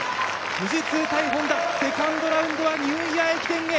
富士通対Ｈｏｎｄａ、セカンドラウンドはニューイヤー駅伝へ。